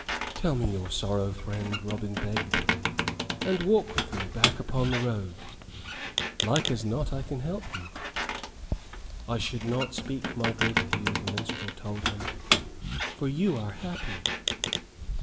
"Tell me your sorrow, friend," Robin begged, "and walk with me back upon the road. Like as not I can help you." "I should not speak my grief to you," the minstrel told him, "for you are happy."